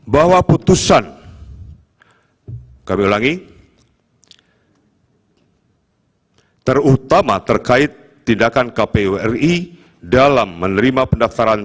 bahwa putusan kami ulangi terutama terkait tindakan kpu ri dalam menerima pendaftaran